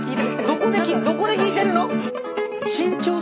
どこでどこで弾いてるの？